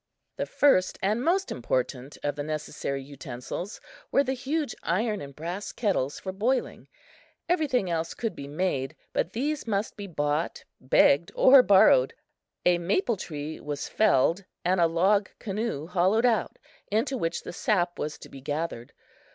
The first and most important of the necessary utensils were the huge iron and brass kettles for boiling. Everything else could be made, but these must be bought, begged or borrowed. A maple tree was felled and a log canoe hollowed out, into which the sap was to be gathered.